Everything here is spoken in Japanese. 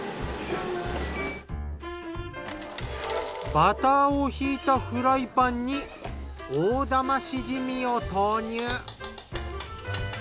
バターを引いたフライパンに大玉シジミを投入。